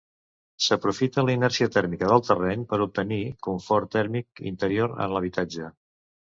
S'aprofita la inèrcia tèrmica del terreny per obtenir confort tèrmic interior en l'habitatge.